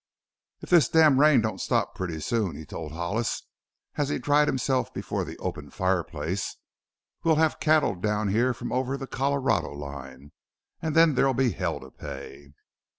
"If this damn rain don't stop pretty soon," he told Hollis as he dried himself before the open fireplace, "we'll have cattle down here from over the Colorado line. An' then there'll be hell to pay!"